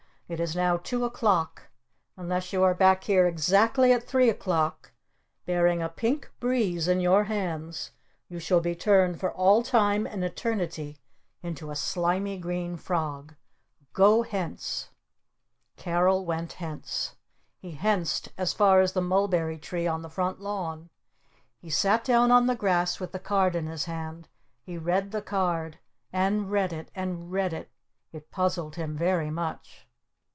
"It is now two o'clock. Unless you are back here exactly at three o'clock bearing a Pink Breeze in your hands you shall be turned for all time and eternity into a Slimy Green Frog! Go hence!" Carol went hence. He henced as far as the Mulberry Tree on the front lawn. He sat down on the grass with the card in his hand. He read the card. And read it. And read it. It puzzled him very much.